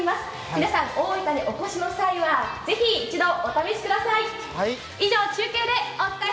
皆さん大分にお越しの際はぜひ一度お試しください。